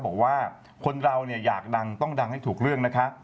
บอกว่าคนเราเนี่ยอยากดังต้องดังให้ถูกเรื่องนะคะ